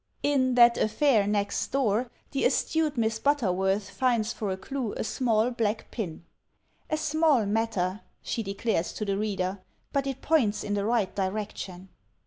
In "That Affair Next Door," the astute Miss Butterworth finds for a clue a small black pin: "A small matter," she declares to the reader, "but it points in the right direction."